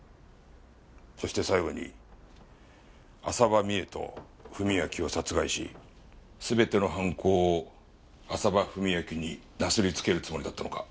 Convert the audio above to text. そして最後に浅羽美恵と史明を殺害し全ての犯行を浅羽史明になすりつけるつもりだったのか？